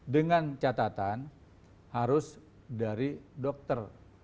dengan catatan harus dari dokter